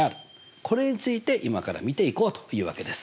これについて今から見ていこうというわけです。